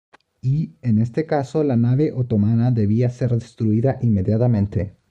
Y, en este caso, la nave otomana debía ser destruida inmediatamente.